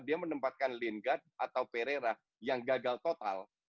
dia menempatkan lingard atau perera yang gagal total